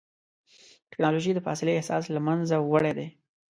ټکنالوجي د فاصلې احساس له منځه وړی دی.